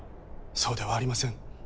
そうではありません。